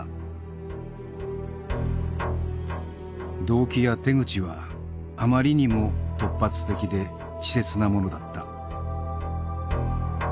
動機や手口はあまりにも突発的で稚拙なものだった。